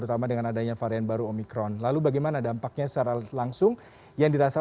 selamat pagi mas sudrajat